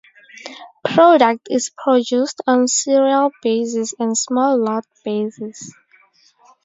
Product is produced on serial basis and small lot basis.